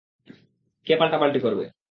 কে পাল্টাপাল্টি করবে?